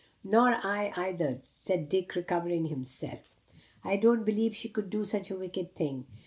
"Nor I either," said Dick, recovering himself. "I don't believe she could do such a wicked thing.